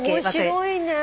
面白いね。